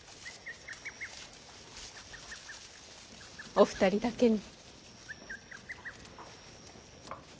お二人だけに。